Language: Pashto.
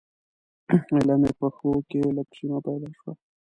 ایله مې پښو کې لږه شیمه پیدا شوه.